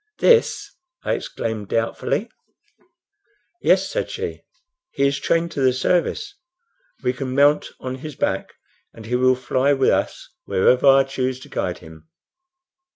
"This!" I exclaimed, doubtfully. "Yes," said she. "He is trained to the service. We can mount on his back, and he will fly with us wherever I choose to guide him."